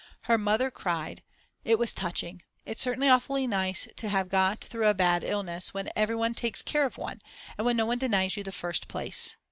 Her mother cried. It was touching. It's certainly awfully nice to have got through a bad illness, when everyone takes care of one, and when no one denies you the first place.